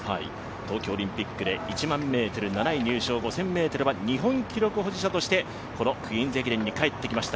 東京オリンピックで１００００ｍ７位入賞、５０００ｍは日本記録保持者として、このクイーンズ８に帰ってきました。